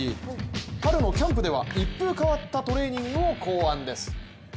春のキャンプでは一風変わったトレーニングを考案です。